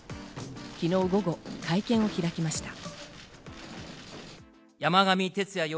昨日午後、会見を開きました。